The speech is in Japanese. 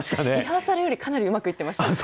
リハーサルより、かなりうまくいってました。